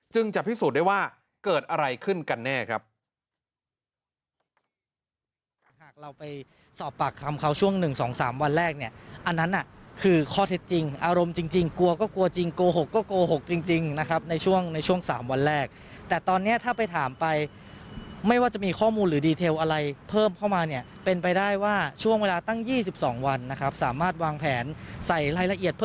จะพิสูจน์ได้ว่าเกิดอะไรขึ้นกันแน่ครับ